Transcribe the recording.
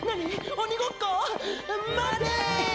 鬼ごっこ⁉まて！